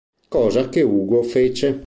Cosa che Ugo fece.